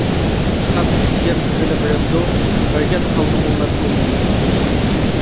-خەق بىزگە قىزىنى بېرەمدۇ؟ بەرگەن ھالدىمۇ مەن ئالمايمەن.